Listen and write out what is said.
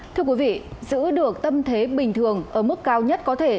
thưa quý vị giữ được tâm thế bình thường ở mức cao nhất có thể